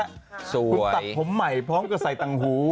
คุณตัดผมใหม่พร้อมกับใส่ต่างหู